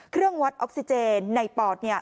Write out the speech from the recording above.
เครื่องวัดออกซิเจนในปอดเนี่ย